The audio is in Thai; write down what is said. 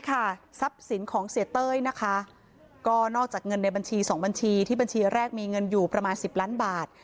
ทรัพย์สินของเสียเต้ยนะคะก็นอกจากเงินในบัญชี๒บัญชีที่บัญชีแรกมีเงินอยู่ประมาณ๑๐ล้านบาท